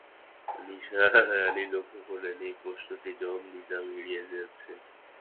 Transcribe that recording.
নিসার আলি লক্ষ করলেন, এই প্রশ্নটির জবাব নিজাম এড়িয়ে যাচ্ছে।